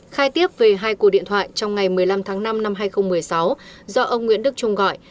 khai tiếp về hai cổ điện thoại trong ngày một mươi năm tháng năm năm hai nghìn một mươi sáu do ông nguyễn đức trung gọi